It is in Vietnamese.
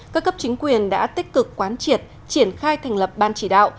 các cấp chính quyền đã tích cực quán triệt triển khai thành lập ban chỉ đạo